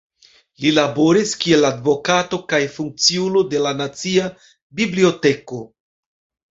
Li laboris kiel advokato kaj funkciulo de la Nacia Biblioteko.